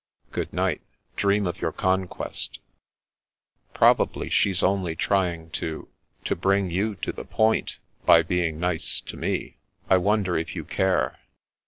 " Good night. Dream of your conquest." " Probably she's only trsring to— to bring you to the point, by being nice to me. I wonder if you care?"